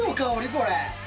これ。